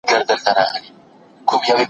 زه پرون بوټونه پاک کړل،